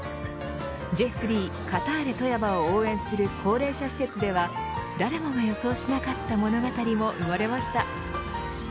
Ｊ３カターレ富山を応援する高齢者施設では誰もが予想しなかった物語も生まれました。